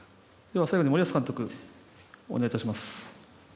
では、最後に森保監督お願いいたします。